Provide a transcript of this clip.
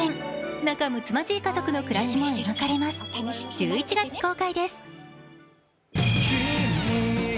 仲むつまじい家族の暮らしも描かれます、１１月公開です。